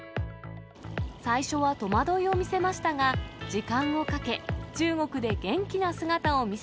最初は戸惑いを見せましたが、時間をかけ、中国で元気な姿を見